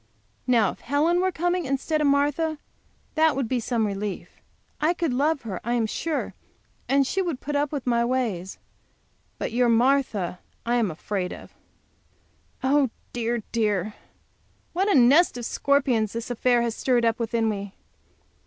Now, if Helen were coming instead of Martha, that would be some relief. I could love her, I am sure, and she would put up with my ways. But your Marthas I am afraid of. Oh, dear, dear, what a nest of scorpions this affair has stirred up within me!